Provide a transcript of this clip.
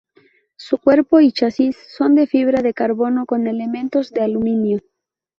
Su cuerpo y chasis son de fibra de carbono con elementos de aluminio.